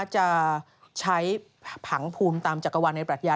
จะใช้ผังภูมิตามจักรวรรณในปรัชญา